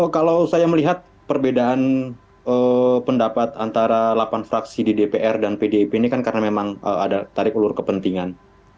kalau saya melihat perbedaan pendapat antara delapan fraksi di dpr dan pdip ini kan karena memang ada tarik ulur kepentingan